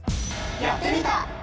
やってみた！